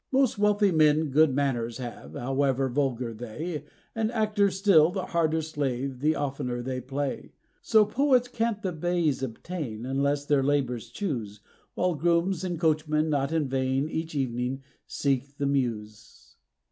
Most wealthy men good manors have, however vulgar they; And actors still the harder slave the oftener they play. So poets can't the baize obtain, unless their tailors choose; While grooms and coachmen not in vain each evening seek the Mews.